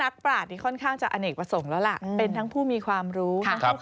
เข้าห้องน้ำยัง